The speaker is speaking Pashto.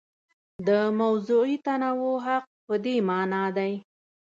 د موضوعي تنوع حق په دې مانا دی.